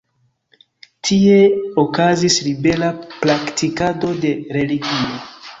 Tie okazis libera praktikado de religio.